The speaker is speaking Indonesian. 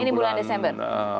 ini bulan desember